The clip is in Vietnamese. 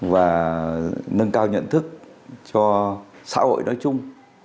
và nâng cao nhận thức cho xã hội nói chung